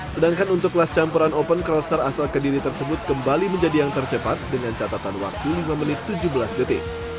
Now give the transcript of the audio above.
sedangkan untuk kelas campuran open crosser asal kediri tersebut kembali menjadi yang tercepat dengan catatan waktu lima menit tujuh belas detik